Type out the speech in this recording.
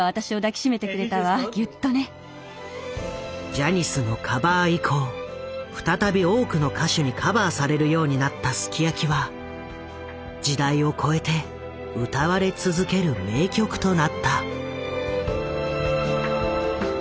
ジャニスのカバー以降再び多くの歌手にカバーされるようになった「ＳＵＫＩＹＡＫＩ」は時代を超えて歌われ続ける名曲となった。